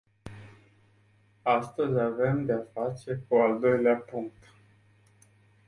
Astăzi avem de-a face cu al doilea punct.